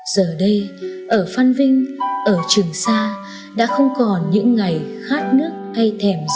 giờ đây ở phan vinh ở trường sa đã không còn những ngày khát nước hay thèm